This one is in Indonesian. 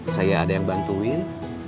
saya ada yang bantuin